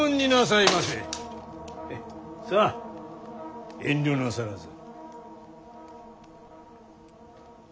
さあ遠慮なさらず。